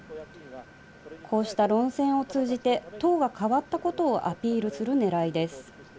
こうした論戦を通じて党が変わったことをアピールする狙いです。